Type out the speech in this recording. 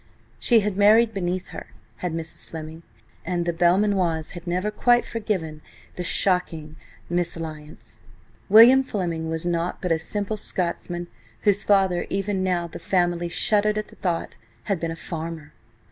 She had married beneath her, had Mrs. Fleming, and the Belmanoirs had never quite forgiven the shocking mésalliance. William Fleming was nought but a simple Scotsman, whose father–even now the family shuddered at the thought–had been a farmer!